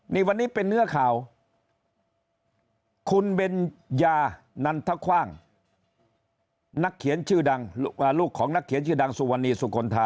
นี่วันนี้เป็นเนื้อข่าวคุณเบญญานันทคว่างนักเขียนชื่อดังลูกของนักเขียนชื่อดังสุวรรณีสุกลธา